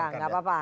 ya tidak apa apa